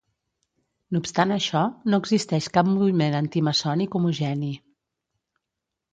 No obstant això, no existeix cap moviment antimaçònic homogeni.